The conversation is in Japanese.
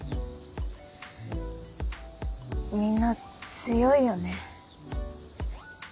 みんな強いよね。